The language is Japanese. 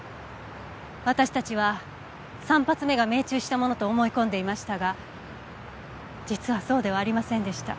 私たちは３発目が命中したものと思い込んでいましたが実はそうではありませんでした。